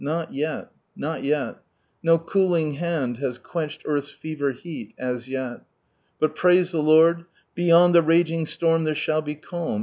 Not yet, not yet ; No cooling hand has quenched earth's fever heat. As yet "— But praise the Lord —Beyond the raging storm there shall be culm.